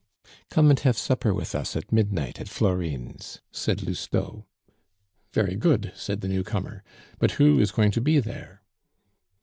"Come and have supper with us at midnight, at Florine's," said Lousteau. "Very good," said the newcomer. "But who is going to be there?"